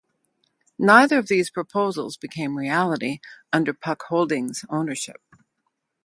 Neither of these proposals became reality under Puck Holdings' ownership.